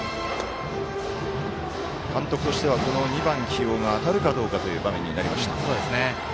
監督としては２番起用が当たるかどうかという場面になりました。